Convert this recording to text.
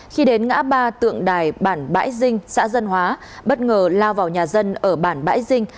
khi đến ngã ba tượng đài bản bãi dinh xã dân hóa bất ngờ lao vào nhà dân ở bản bãi dinh